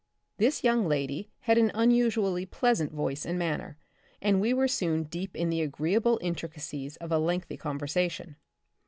This young lady had an unusually pleasant voice and manner, and we were soon deep in the agreeable intricacies of a lengthy con versation.